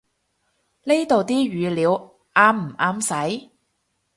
呢度啲語料啱唔啱使